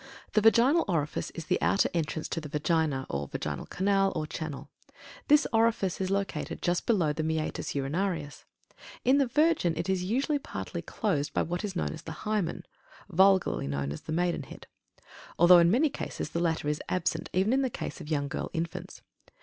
THE VAGINAL ORIFICE is the outer entrance to the Vagina, or Vaginal Canal or Channel. This orifice is located just below the Meatus Urinarius. In the virgin it is usually partly closed by what is known as "THE HYMEN," (vulgarly known as the "maiden head"), although in many cases the latter is absent even in the case of young girl infants.